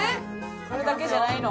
これだけじゃないの？